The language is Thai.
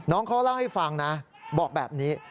น้องเขาเล่าให้ฟังนะบอกแบบนี้